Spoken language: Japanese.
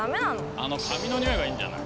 あの紙の匂いがいいんじゃない。